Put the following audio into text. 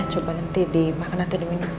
coba nanti dimakan nanti diminum